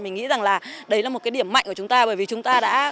mình nghĩ rằng là đấy là một cái điểm mạnh của chúng ta bởi vì chúng ta đã